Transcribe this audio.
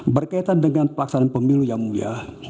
berkaitan dengan pelaksanaan pemilu yang mulia